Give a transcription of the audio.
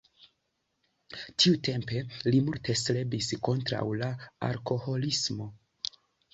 Tiutempe li multe strebis kontraŭ la alkoholismo.